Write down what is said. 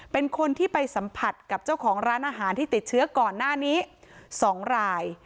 เป็นคนที่ไปสัมผัสกับเจ้าของร้านอาหารที่ติดเชื้อก่อนหน้านี้๒ราย